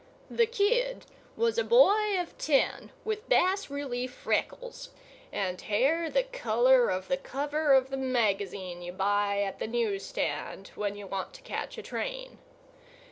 The kid was a boy of ten, with bas relief freckles, and hair the colour of the cover of the magazine you buy at the news stand when you want to catch a train.